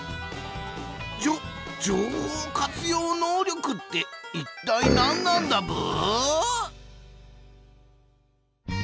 じょ情報活用能力って一体何なんだブー？